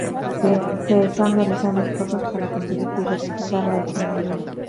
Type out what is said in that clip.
Se están realizando esfuerzos para conseguir diversificar la economía.